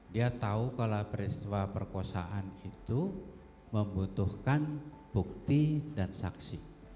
dia tahu kalau peristiwa perkosaan itu membutuhkan bukti dan saksi